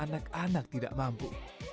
dan anak anak tidak mampu